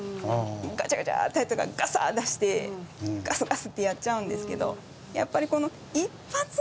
ガチャガチャって入ってるからガサーッ出してガスガスってやっちゃうんですけどやっぱりこの一発